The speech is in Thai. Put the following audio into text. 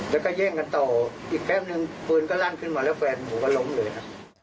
แล้วก็เยี่ยงกันต่ออีกแค่นึงปืนก็รั่งขึ้นมาแล้วแฟนหัวก็ล้มเลยนะ